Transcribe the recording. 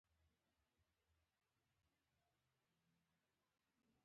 داسې احساس مې وکړ چې زه زر کاله پخوا وخت ته تللی یم.